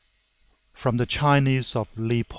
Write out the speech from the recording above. From the Chinese of Li Po.